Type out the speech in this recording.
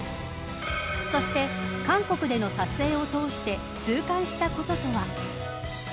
そして、韓国での撮影を通して痛感したこととは。